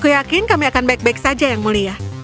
aku yakin kami akan baik baik saja yang mulia